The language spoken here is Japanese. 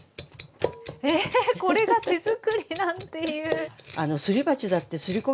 えこれが手作りだっていう。